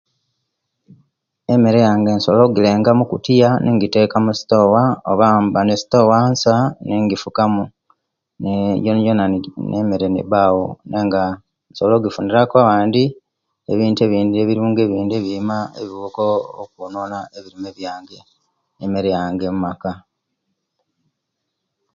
Emeryange nsobola ogirenga omukotiya nijiteka omusitoowa oba mba ne sitoowa ensa ninjifukanu jojona, emere nebaawo ne nga nsobowola okugifuniraku owandi ebintu ebindi ebiruga ebindi ebiima ebiwuuka okwonona ebirime byange, emere yange om'maka.